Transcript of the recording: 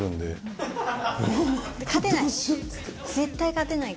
勝てない！